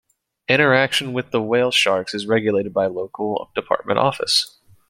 Interaction with the whale sharks is regulated by the local department office.